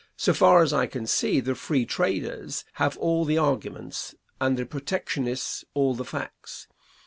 So far as I can see, the free traders have all the arguments and the protectionists all the facts.